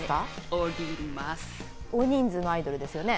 大人数のアイドルですよね？